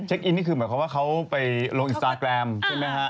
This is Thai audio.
อินนี่คือหมายความว่าเขาไปลงอินสตาแกรมใช่ไหมฮะ